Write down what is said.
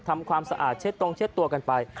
ทำความสะอาดเช็ดตรงเช็ดตัวกันไป